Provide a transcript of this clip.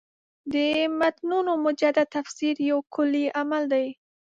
د متنونو مجدد تفسیر یو کُلي عمل دی.